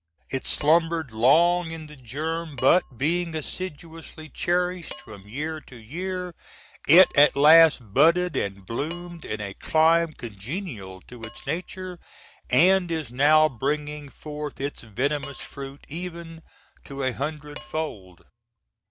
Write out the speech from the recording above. It slumbered long in the germ, but being assiduously cherished from year to year it at last budded and bloomed in a clime congenial to its nature, & is now bringing forth its venomous fruit, even to a "hundred fold."